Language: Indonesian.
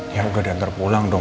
ya udah diantar pulang dong